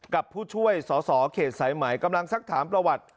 กับผู้ช่วยสอสอเขตสายไหมกำลังสักถามประวัติ